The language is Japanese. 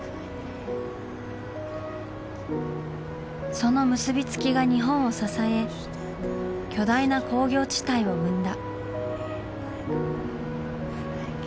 その結び付きが日本を支え巨大な工業地帯を生んだ。